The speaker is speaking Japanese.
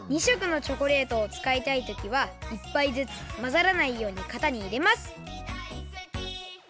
２しょくのチョコレートをつかいたいときは１ぱいずつまざらないようにかたにいれます。